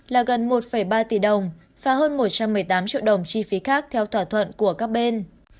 là gần một ba tỷ đồng và hơn một trăm một mươi tám triệu đồng chi phí khác theo thỏa thuận của các bên